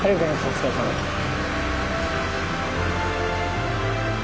お疲れさまでした。